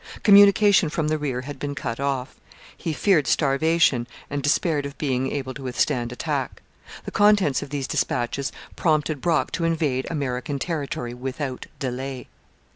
Communication from the rear had been cut off; he feared starvation and despaired of being able to withstand attack. The contents of these dispatches prompted Brock to invade American territory without delay.